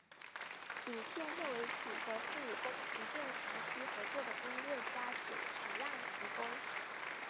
影片片尾曲则是与宫崎骏长期合作的音乐家久石让提供。